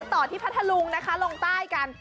ต่อที่พระทะลุงนะคะลงใต้กัน